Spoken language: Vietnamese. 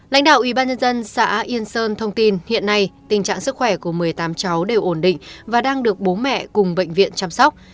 lãnh đạo ubnd xã yên sơn thông tin hiện nay tình trạng sức khỏe của một mươi tám cháu đều ổn định và đang được bố mẹ cùng bệnh viện chăm sóc